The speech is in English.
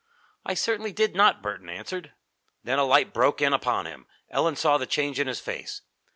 "I certainly did not," Burton answered. Then a light broke in upon him. Ellen saw the change in his face.